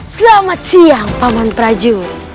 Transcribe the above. selamat siang paman prajur